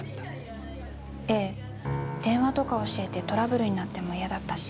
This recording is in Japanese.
ええ電話とか教えてトラブルになっても嫌だったし。